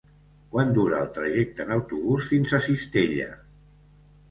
Quant dura el trajecte en autobús fins a Cistella?